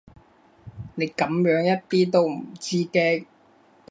你噉樣一啲都唔知驚